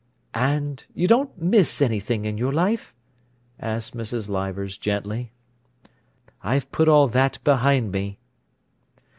"And you don't miss anything in your life?" asked Mrs. Leivers gently. "I've put all that behind me."